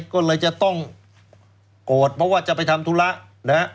ก็เลยจะต้องโกรธเพราะว่าจะไปทำธุระนะฮะ